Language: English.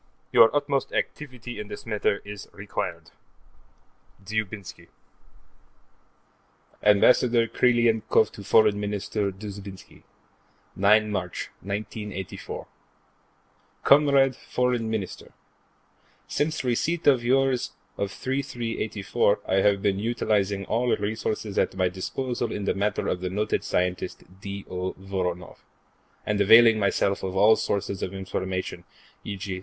Your utmost activity in this matter is required. Dzhoubinsky Ambassador Krylenkoff to Foreign Minister Dzhoubinsky: 9 March, 1984 Comrade Foreign Minister: Since receipt of yours of 3/3/'84, I have been utilizing all resources at my disposal in the matter of the noted scientist D. O. Voronoff, and availing myself of all sources of information, e.g.